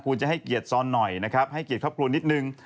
คุณจะให้เกียรติซอนหน่อยนะครับให้เกียรติครอบครัวนิดนึง